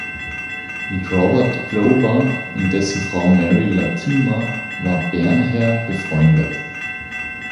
Mit Robert Glover und dessen Frau Mary Latimer war Bernher befreundet.